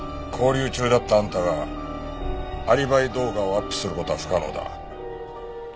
勾留中だったあんたがアリバイ動画をアップする事は不可能だ。